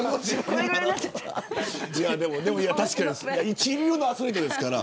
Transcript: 確かに一流のアスリートですから。